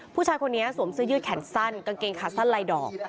ผู้ชายคนนี้สวมเสื้อยืดแขนสั้นกางเกงขาสั้นลายดอก